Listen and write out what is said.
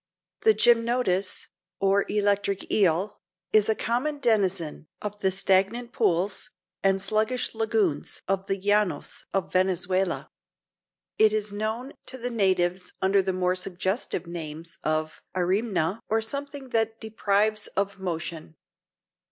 The gymnotus, or electric eel, is a common denizen of the stagnant pools and sluggish lagoons of the Llanos of Venezuela. It is known to the natives under the more suggestive name of arimna or something that deprives of motion.